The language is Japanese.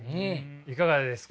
いかがですか？